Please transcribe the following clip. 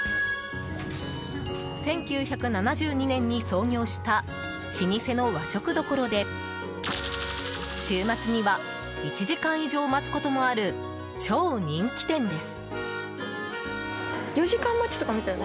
１９７２年に創業した老舗の和食どころで週末には１時間以上待つこともある超人気店です。